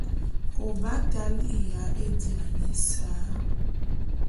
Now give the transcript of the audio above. Kôbata a li'iya éjiane ésa.